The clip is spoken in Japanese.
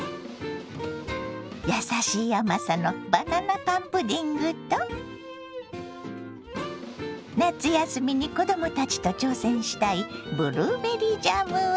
やさしい甘さのバナナパンプディングと夏休みに子供たちと挑戦したいブルーベリージャムはいかが。